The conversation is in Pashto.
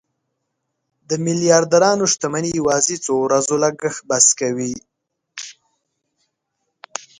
د میلیاردرانو شتمني یوازې څو ورځو لګښت بس کوي.